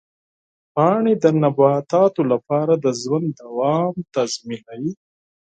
پاڼې د نباتاتو لپاره د ژوند دوام تضمینوي.